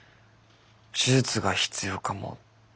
手術が必要かもって。